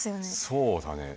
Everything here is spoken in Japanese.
そうだね。